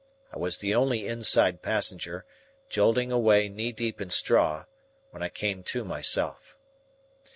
I was the only inside passenger, jolting away knee deep in straw, when I came to myself.